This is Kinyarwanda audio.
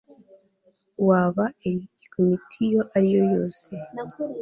waba allergique kumiti iyo ari yo yose